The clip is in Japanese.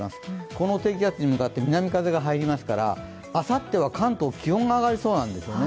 この低気圧に向かって南風が入りますからあさっては関東、気温が上がりそうなんですよね。